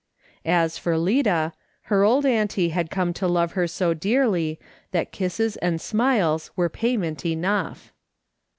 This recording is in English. As for Lida, her old auntie had come to love her so dearly, that kisses and smiles were payment enough.